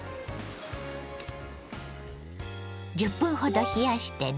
１０分ほど冷やしてね。